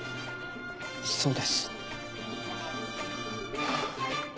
そうです。